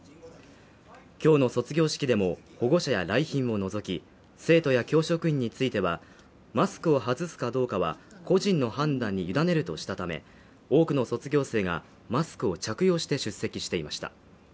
今日の卒業式でも、保護者や来賓を除き、生徒や教職員についてはマスクを外すかどうかは個人の判断に委ねるとしたため、多くの卒業生がマスクを着用して出席していました。